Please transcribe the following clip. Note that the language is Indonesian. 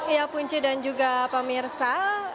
ya punci dan juga pak mirsa